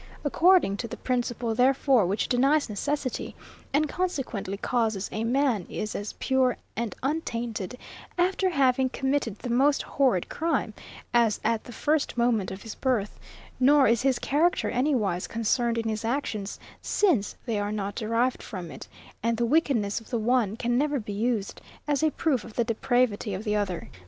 According to the principle, therefore, which denies necessity, and consequently causes, a man is as pure and untainted, after having committed the most horrid crime, as at the first moment of his birth, nor is his character anywise concerned in his actions, since they are not derived from it, and the wickedness of the one can never be used as a proof of the depravity of the other.